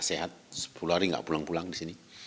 sehat sepuluh hari nggak pulang pulang di sini